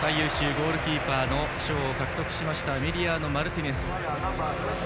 最優秀ゴールキーパー賞を獲得したエミリアーノ・マルティネス。